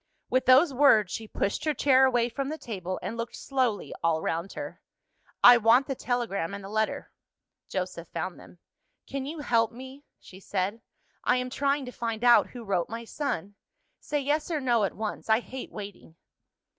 With those words, she pushed her chair away from the table, and looked slowly all round her. "I want the telegram and the letter." Joseph found them. "Can you help me?" she said. "I am trying to find out who wrote my son. Say yes, or no, at once; I hate waiting."